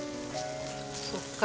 そっか。